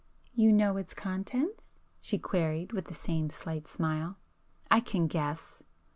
"You know its contents?" she queried, with the same slight smile. "I can guess."